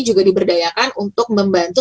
juga diberdayakan untuk membantu